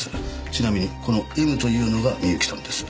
ちなみにこのＭというのが美由紀さんです。